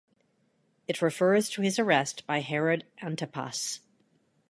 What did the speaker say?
It refers to his arrest by Herod Antipas.